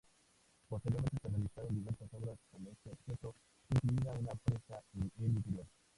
Posteriormente se realizaron diversas obras con ese objeto, incluida una presa en el interior.